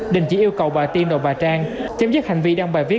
đình chỉ yêu cầu bà tiên và bà trang chấm dứt hành vi đăng bài viết